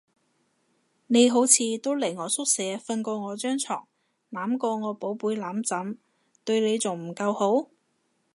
你好似都嚟我宿舍瞓過我張床，攬過我寶貝攬枕，對你仲唔夠好？